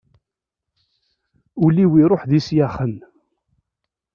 Ul-iw iruḥ d isyaxen.